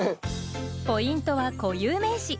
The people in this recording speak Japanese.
ポイントは固有名詞。